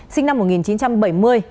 sinh năm một nghìn chín trăm chín mươi